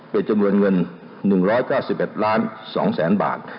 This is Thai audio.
เป็นจำนวนเงิน๑๙๑ล้าน๒แสนบาท